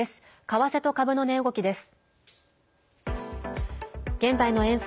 為替と株の値動きです。